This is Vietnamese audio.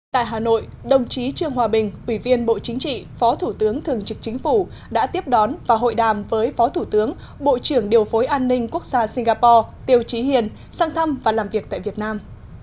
tại hà nội đồng chí trương hòa bình ủy viên bộ chính trị phó thủ tướng thường trực chính phủ đã tiếp đón và hội đàm với phó thủ tướng bộ trưởng điều phối an ninh quốc gia singapore tiêu trí hiền sang thăm và làm việc tại việt nam